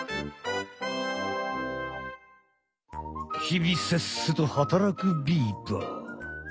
ひびせっせとはたらくビーバー。